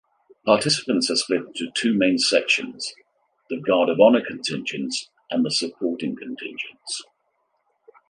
Participants are split into two main sections: the Guard-of-Honour contingents and the Supporting Contingents.